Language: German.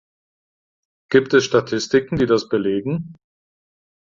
Gibt es Statistiken, die das belegen?